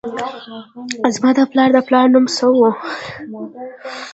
زما د پلار د پلار نوم څه و؟